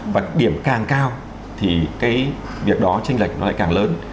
và điểm càng cao thì cái việc đó tranh lệch nó lại càng lớn